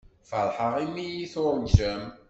Feṛḥeɣ imi iyi-tuṛǧam.